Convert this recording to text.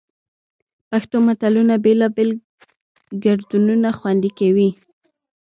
پښتو متلونه بېلابېل ګړدودونه خوندي کوي